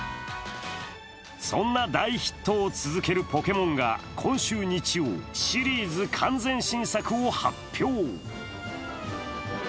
そんな大ヒットを続けるポケモンが今週日曜、シリーズ完全新作を発表。